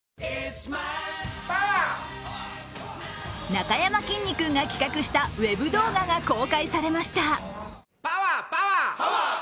なかやまきんに君が企画したウェブ動画が公開されました。